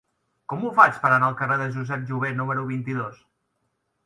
Com ho faig per anar al carrer de Josep Jover número vint-i-dos?